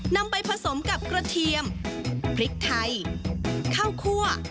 นำไปผสมกับกระเทียมพริกไทยข้าวคั่ว